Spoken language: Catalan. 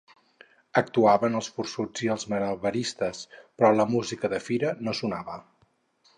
Actuaven els forçuts i els malabaristes, però la música de fira no sonava.